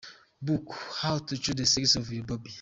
Book: How to choose the sex of your baby.